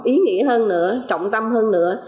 ý nghĩa hơn nữa trọng tâm hơn nữa